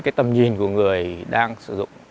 nó không ảnh hưởng đến tầm nhìn của người đang sử dụng